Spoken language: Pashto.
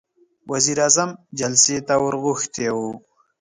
وزير اعظم جلسې ته ور غوښتی و.